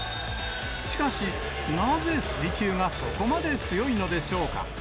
しかし、なぜ水球がそこまで強いのでしょうか。